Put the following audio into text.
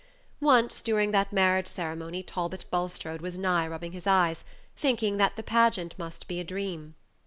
Once during that marriage ceremony Talbot Bulstrode was nigh rubbing his eyes, thinking that the pageant must be a dream.